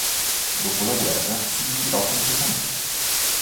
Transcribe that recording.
Dopo la guerra si ritirò completamente.